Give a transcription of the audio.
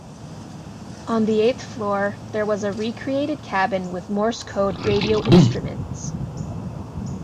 On the eighth floor there was a recreated cabin with Morse code radio instruments.